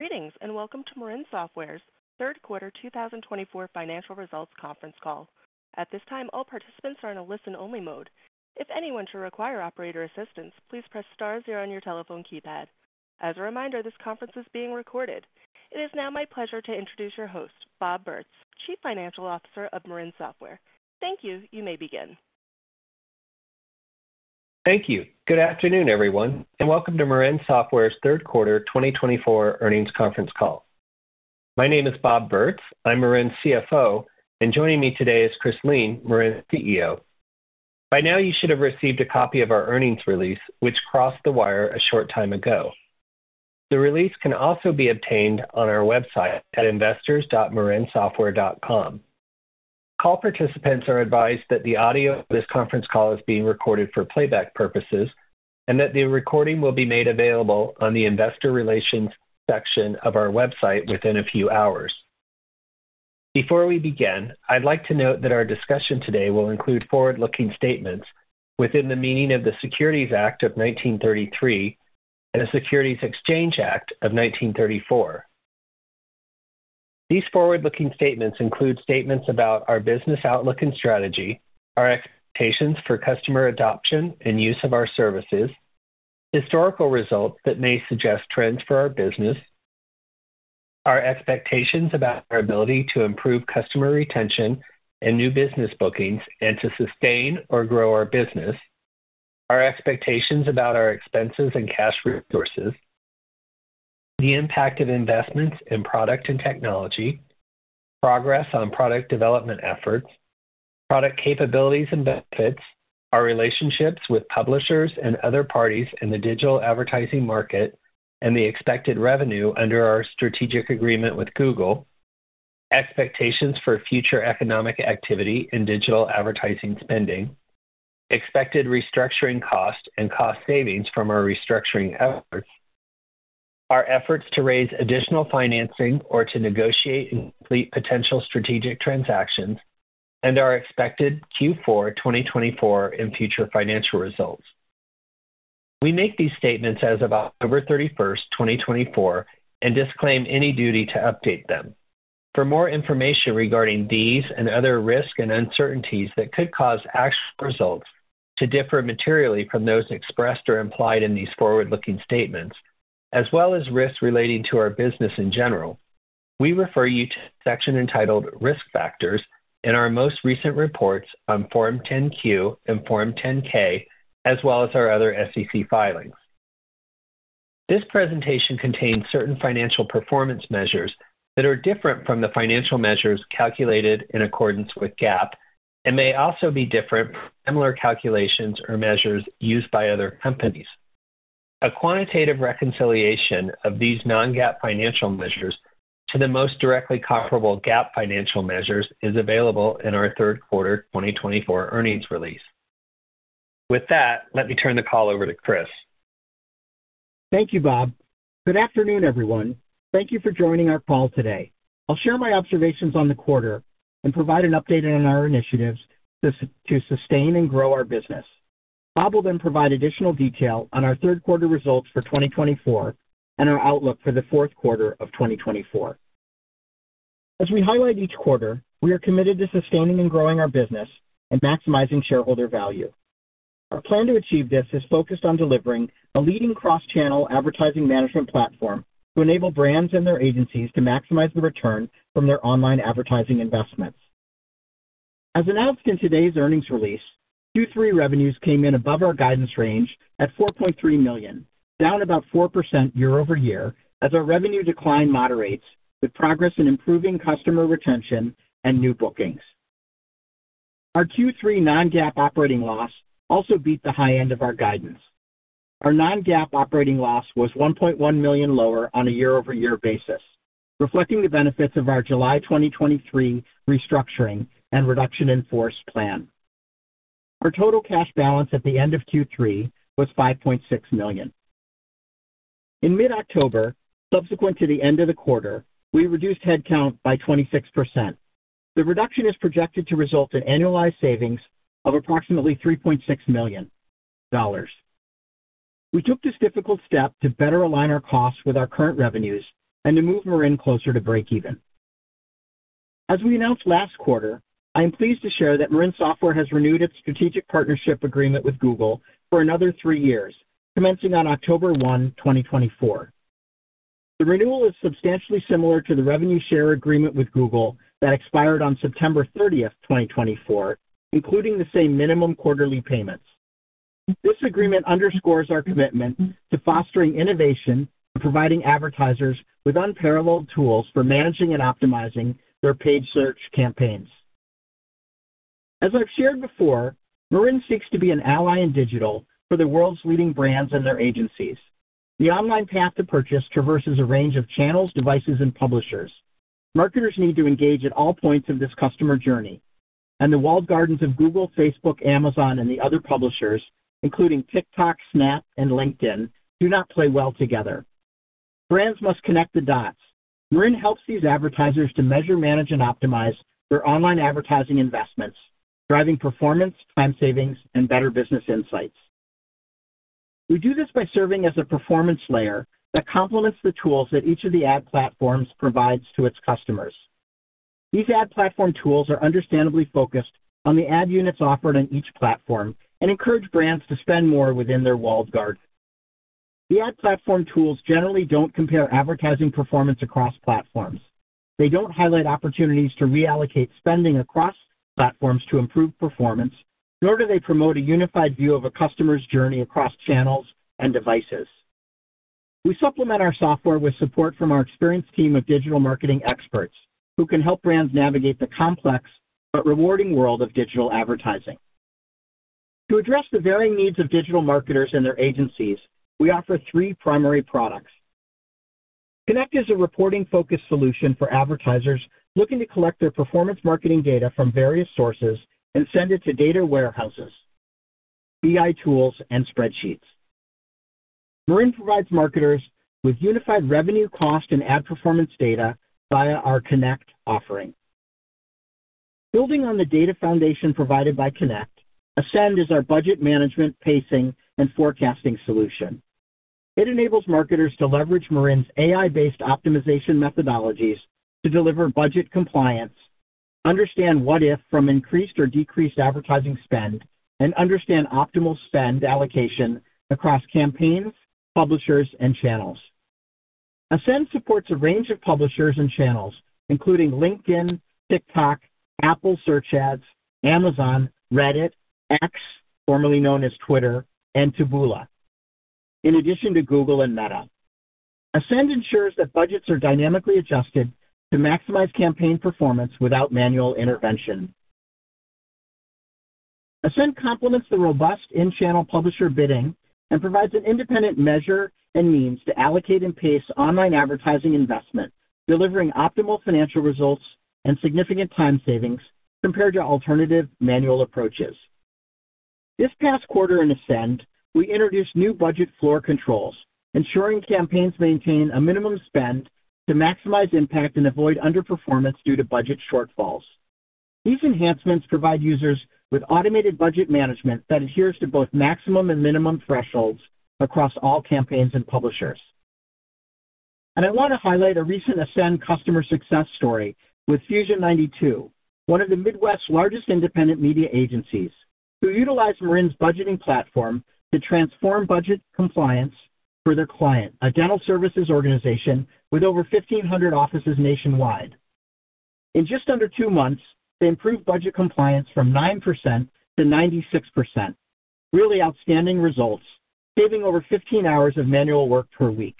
Greetings and welcome to Marin Software's Q3 2024 Financial Results Conference Call. At this time, all participants are in a listen-only mode. If anyone should require operator assistance, please press star zero on your telephone keypad. As a reminder, this conference is being recorded. It is now my pleasure to introduce your host, Bob Bertz, Chief Financial Officer of Marin Software. Thank you. You may begin. Thank you. Good afternoon, everyone, and welcome to Marin Software's Q3 2024 earnings conference call. My name is Bob Bertz. I'm Marin's CFO, and joining me today is Chris Lien, Marin's CEO. By now, you should have received a copy of our earnings release, which crossed the wire a short time ago. The release can also be obtained on our website at investors.marinsoftware.com. Call participants are advised that the audio of this conference call is being recorded for playback purposes and that the recording will be made available on the investor relations section of our website within a few hours. Before we begin, I'd like to note that our discussion today will include forward-looking statements within the meaning of the Securities Act of 1933 and the Securities Exchange Act of 1934. These forward-looking statements include statements about our business outlook and strategy, our expectations for customer adoption and use of our services, historical results that may suggest trends for our business, our expectations about our ability to improve customer retention and new business bookings and to sustain or grow our business, our expectations about our expenses and cash resources, the impact of investments in product and technology, progress on product development efforts, product capabilities and benefits, our relationships with publishers and other parties in the digital advertising market, and the expected revenue under our strategic agreement with Google, expectations for future economic activity and digital advertising spending, expected restructuring costs and cost savings from our restructuring efforts, our efforts to raise additional financing or to negotiate and complete potential strategic transactions, and our expected Q4 2024 and future financial results. We make these statements as of October 31st, 2024, and disclaim any duty to update them. For more information regarding these and other risks and uncertainties that could cause actual results to differ materially from those expressed or implied in these forward-looking statements, as well as risks relating to our business in general, we refer you to the section entitled Risk Factors in our most recent reports on Form 10-Q and Form 10-K, as well as our other SEC filings. This presentation contains certain financial performance measures that are different from the financial measures calculated in accordance with GAAP and may also be different from similar calculations or measures used by other companies. A quantitative reconciliation of these non-GAAP financial measures to the most directly comparable GAAP financial measures is available in our Q3 2024 earnings release. With that, let me turn the call over to Chris. Thank you, Bob. Good afternoon, everyone. Thank you for joining our call today. I'll share my observations on the quarter and provide an update on our initiatives to sustain and grow our business. Bob will then provide additional detail on our Q3 results for 2024 and our outlook for the Q4 of 2024. As we highlight each quarter, we are committed to sustaining and growing our business and maximizing shareholder value. Our plan to achieve this is focused on delivering a leading cross-channel advertising management platform to enable brands and their agencies to maximize the return from their online advertising investments. As announced in today's earnings release, Q3 revenues came in above our guidance range at $4.3 million, down about 4% year over year as our revenue decline moderates with progress in improving customer retention and new bookings. Our Q3 non-GAAP operating loss also beat the high end of our guidance. Our non-GAAP operating loss was $1.1 million lower on a year-over-year basis, reflecting the benefits of our July 2023 restructuring and reduction-in-force plan. Our total cash balance at the end of Q3 was $5.6 million. In mid-October, subsequent to the end of the quarter, we reduced headcount by 26%. The reduction is projected to result in annualized savings of approximately $3.6 million. We took this difficult step to better align our costs with our current revenues and to move Marin closer to break-even. As we announced last quarter, I am pleased to share that Marin Software has renewed its strategic partnership agreement with Google for another three years, commencing on October 1, 2024. The renewal is substantially similar to the revenue share agreement with Google that expired on September 30th, 2024, including the same minimum quarterly payments. This agreement underscores our commitment to fostering innovation and providing advertisers with unparalleled tools for managing and optimizing their paid search campaigns. As I've shared before, Marin seeks to be an ally in digital for the world's leading brands and their agencies. The online path to purchase traverses a range of channels, devices, and publishers. Marketers need to engage at all points of this customer journey, and the walled gardens of Google, Facebook, Amazon, and the other publishers, including TikTok, Snap, and LinkedIn, do not play well together. Brands must connect the dots. Marin helps these advertisers to measure, manage, and optimize their online advertising investments, driving performance, time savings, and better business insights. We do this by serving as a performance layer that complements the tools that each of the ad platforms provides to its customers. These ad platform tools are understandably focused on the ad units offered on each platform and encourage brands to spend more within their walled garden. The ad platform tools generally don't compare advertising performance across platforms. They don't highlight opportunities to reallocate spending across platforms to improve performance, nor do they promote a unified view of a customer's journey across channels and devices. We supplement our software with support from our experienced team of digital marketing experts who can help brands navigate the complex but rewarding world of digital advertising. To address the varying needs of digital marketers and their agencies, we offer three primary products. Connect is a reporting-focused solution for advertisers looking to collect their performance marketing data from various sources and send it to data warehouses, BI tools, and spreadsheets. Marin provides marketers with unified revenue, cost, and ad performance data via our Connect offering. Building on the data foundation provided by Connect, Ascend is our budget management, pacing, and forecasting solution. It enables marketers to leverage Marin's AI-based optimization methodologies to deliver budget compliance, understand what-if from increased or decreased advertising spend, and understand optimal spend allocation across campaigns, publishers, and channels. Ascend supports a range of publishers and channels, including LinkedIn, TikTok, Apple Search Ads, Amazon, Reddit, X, formerly known as Twitter, and Taboola, in addition to Google and Meta. Ascend ensures that budgets are dynamically adjusted to maximize campaign performance without manual intervention. Ascend complements the robust in-channel publisher bidding and provides an independent measure and means to allocate and pace online advertising investment, delivering optimal financial results and significant time savings compared to alternative manual approaches. This past quarter in Ascend, we introduced new budget floor controls, ensuring campaigns maintain a minimum spend to maximize impact and avoid underperformance due to budget shortfalls. These enhancements provide users with automated budget management that adheres to both maximum and minimum thresholds across all campaigns and publishers, and I want to highlight a recent Ascend customer success story with Fusion92, one of the Midwest's largest independent media agencies, who utilized Marin's budgeting platform to transform budget compliance for their client, a dental services organization with over 1,500 offices nationwide. In just under two months, they improved budget compliance from 9% to 96%, really outstanding results, saving over 15 hours of manual work per week.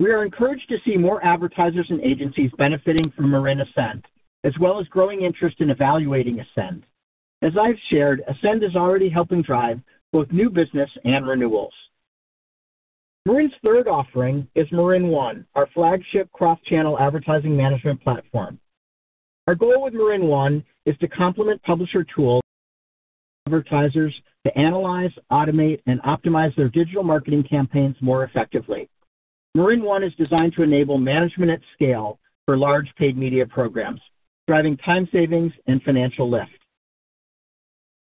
We are encouraged to see more advertisers and agencies benefiting from Marin Ascend, as well as growing interest in evaluating Ascend. As I've shared, Ascend is already helping drive both new business and renewals. Marin's third offering is Marin One, our flagship cross-channel advertising management platform. Our goal with Marin One is to complement publisher tools for advertisers to analyze, automate, and optimize their digital marketing campaigns more effectively. Marin One is designed to enable management at scale for large paid media programs, driving time savings and financial lift.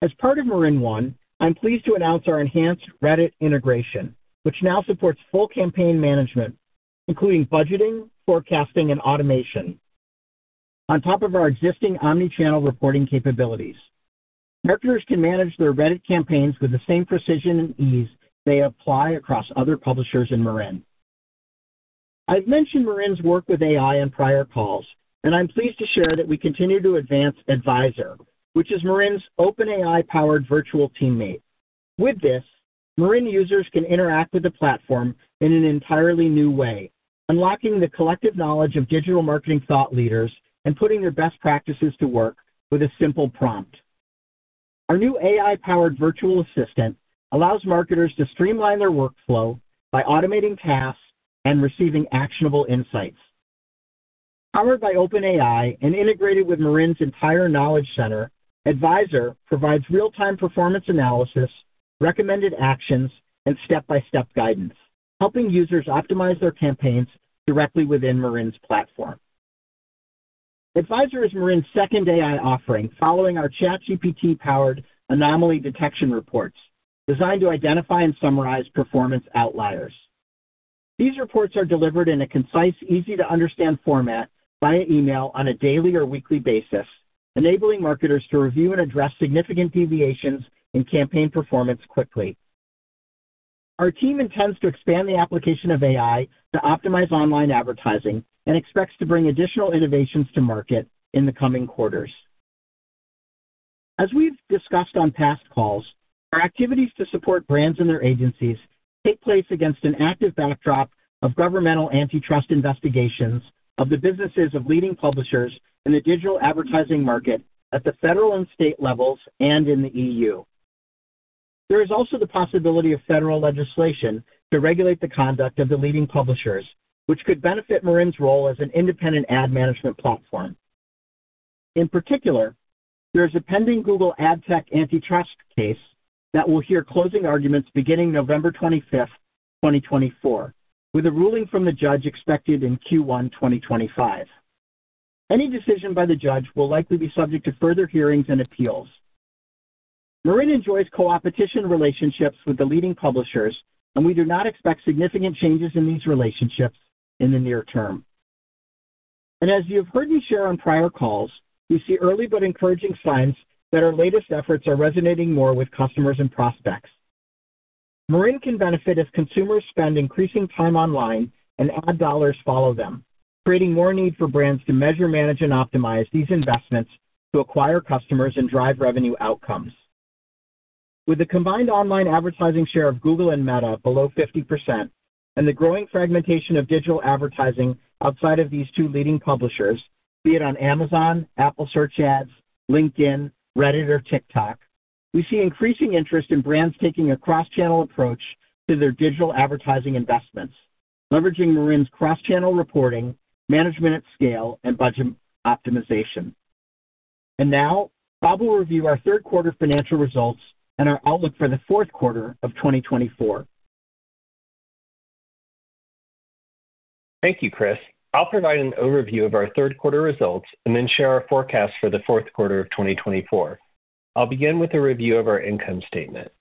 As part of Marin One, I'm pleased to announce our enhanced Reddit integration, which now supports full campaign management, including budgeting, forecasting, and automation, on top of our existing omnichannel reporting capabilities. Marketers can manage their Reddit campaigns with the same precision and ease they apply across other publishers in Marin. I've mentioned Marin's work with AI on prior calls, and I'm pleased to share that we continue to advance Advisor, which is Marin's OpenAI-powered virtual teammate. With this, Marin users can interact with the platform in an entirely new way, unlocking the collective knowledge of digital marketing thought leaders and putting their best practices to work with a simple prompt. Our new AI-powered virtual assistant allows marketers to streamline their workflow by automating tasks and receiving actionable insights. Powered by OpenAI and integrated with Marin's entire knowledge center, Advisor provides real-time performance analysis, recommended actions, and step-by-step guidance, helping users optimize their campaigns directly within Marin's platform. Advisor is Marin's second AI offering following our ChatGPT-powered anomaly detection reports designed to identify and summarize performance outliers. These reports are delivered in a concise, easy-to-understand format via email on a daily or weekly basis, enabling marketers to review and address significant deviations in campaign performance quickly. Our team intends to expand the application of AI to optimize online advertising and expects to bring additional innovations to market in the coming quarters. As we've discussed on past calls, our activities to support brands and their agencies take place against an active backdrop of governmental antitrust investigations of the businesses of leading publishers in the digital advertising market at the federal and state levels and in the EU. There is also the possibility of federal legislation to regulate the conduct of the leading publishers, which could benefit Marin's role as an independent ad management platform. In particular, there is a pending Google AdTech antitrust case that will hear closing arguments beginning November 25th, 2024, with a ruling from the judge expected in Q1 2025. Any decision by the judge will likely be subject to further hearings and appeals. Marin enjoys coopetition relationships with the leading publishers, and we do not expect significant changes in these relationships in the near term. And as you've heard me share on prior calls, we see early but encouraging signs that our latest efforts are resonating more with customers and prospects. Marin can benefit as consumers spend increasing time online and ad dollars follow them, creating more need for brands to measure, manage, and optimize these investments to acquire customers and drive revenue outcomes. With the combined online advertising share of Google and Meta below 50% and the growing fragmentation of digital advertising outside of these two leading publishers, be it on Amazon, Apple Search Ads, LinkedIn, Reddit, or TikTok, we see increasing interest in brands taking a cross-channel approach to their digital advertising investments, leveraging Marin's cross-channel reporting, management at scale, and budget optimization. Now, Bob will review our Q3 financial results and our outlook for the Q4 of 2024. Thank you, Chris. I'll provide an overview of our Q3 results and then share our forecast for the Q4 of 2024. I'll begin with a review of our income statement.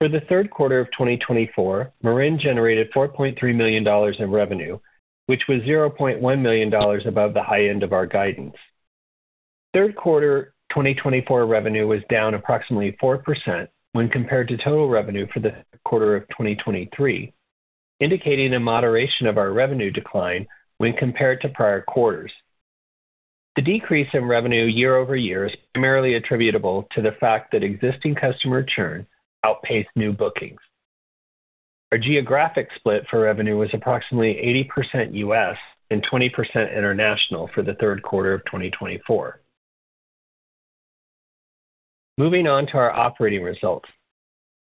For the Q3 of 2024, Marin generated $4.3 million in revenue, which was $0.1 million above the high end of our guidance. Q3 2024 revenue was down approximately 4% when compared to total revenue for the quarter of 2023, indicating a moderation of our revenue decline when compared to prior quarters. The decrease in revenue year over year is primarily attributable to the fact that existing customer churn outpaced new bookings. Our geographic split for revenue was approximately 80% U.S. and 20% international for the Q3 of 2024. Moving on to our operating results.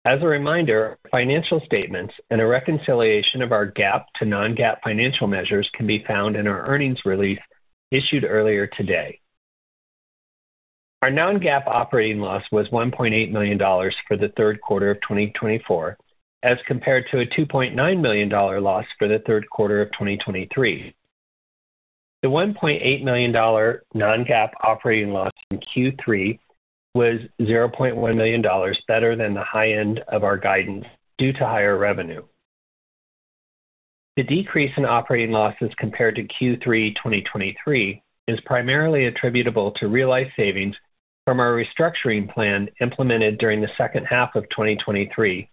As a reminder, our financial statements and a reconciliation of our GAAP to non-GAAP financial measures can be found in our earnings release issued earlier today. Our non-GAAP operating loss was $1.8 million for the Q3 of 2024, as compared to a $2.9 million loss for the Q3 of 2023. The $1.8 million non-GAAP operating loss in Q3 was $0.1 million better than the high end of our guidance due to higher revenue. The decrease in operating losses compared to Q3 2023 is primarily attributable to realized savings from our restructuring plan implemented during the second half of 2023,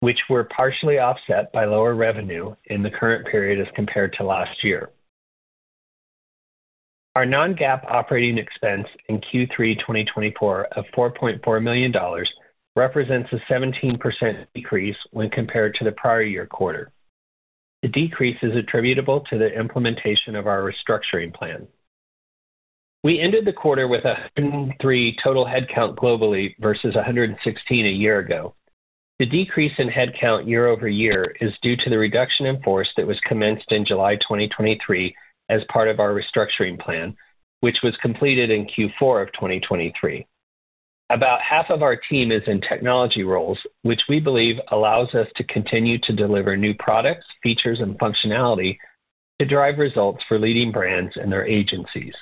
which were partially offset by lower revenue in the current period as compared to last year. Our non-GAAP operating expense in Q3 2024 of $4.4 million represents a 17% decrease when compared to the prior year quarter. The decrease is attributable to the implementation of our restructuring plan. We ended the quarter with a 103 total headcount globally versus 116 a year ago. The decrease in headcount year over year is due to the reduction in force that was commenced in July 2023 as part of our restructuring plan, which was completed in Q4 of 2023. About half of our team is in technology roles, which we believe allows us to continue to deliver new products, features, and functionality to drive results for leading brands and their agencies.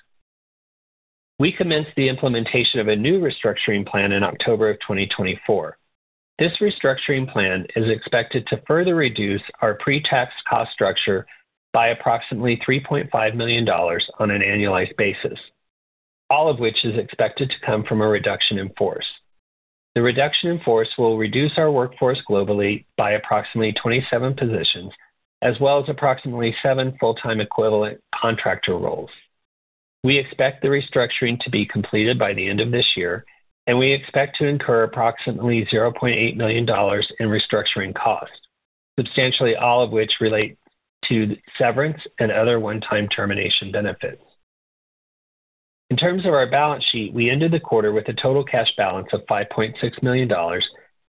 We commenced the implementation of a new restructuring plan in October of 2024. This restructuring plan is expected to further reduce our pre-tax cost structure by approximately $3.5 million on an annualized basis, all of which is expected to come from a reduction in force. The reduction in force will reduce our workforce globally by approximately 27 positions, as well as approximately seven full-time equivalent contractor roles. We expect the restructuring to be completed by the end of this year, and we expect to incur approximately $0.8 million in restructuring cost, substantially all of which relate to severance and other one-time termination benefits. In terms of our balance sheet, we ended the quarter with a total cash balance of $5.6 million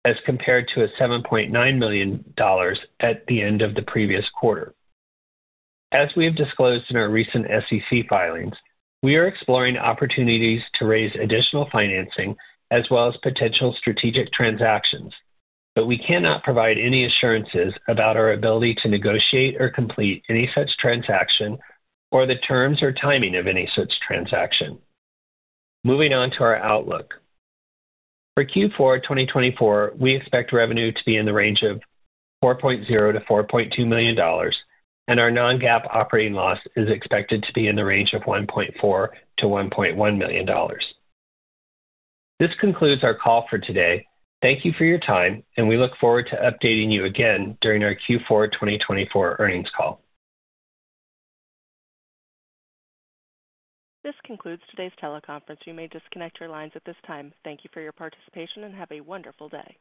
as compared to a $7.9 million at the end of the previous quarter. As we have disclosed in our recent SEC filings, we are exploring opportunities to raise additional financing as well as potential strategic transactions, but we cannot provide any assurances about our ability to negotiate or complete any such transaction or the terms or timing of any such transaction. Moving on to our outlook. For Q4 2024, we expect revenue to be in the range of $4.0 million-$4.2 million, and our non-GAAP operating loss is expected to be in the range of $1.4 million-$1.1 million. This concludes our call for today. Thank you for your time, and we look forward to updating you again during our Q4 2024 earnings call. This concludes today's teleconference. You may disconnect your lines at this time. Thank you for your participation and have a wonderful day.